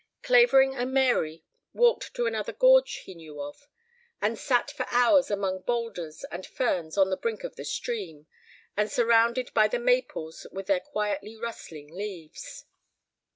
Clavering and Mary walked to another gorge he knew of and sat for hours among boulders and ferns on the brink of the stream, and surrounded by the maples with their quietly rustling leaves.